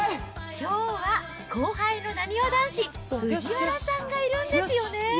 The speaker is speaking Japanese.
きょうは後輩のなにわ男子・藤原さんがいるんですよね。